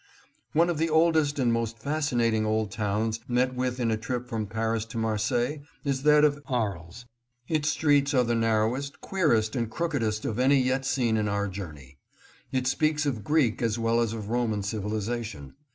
One of the oldest and most fascinating old towns met with in a trip from Paris to Marseilles is that of Aries. Its streets are the narrowest, queerest and crookedest of any yet seen in our journey. It speaks of Greek as well as of Roman civilization.